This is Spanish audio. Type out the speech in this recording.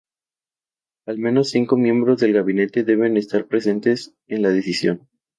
Al menos cinco miembros del gabinete deben estar presentes en la decisión.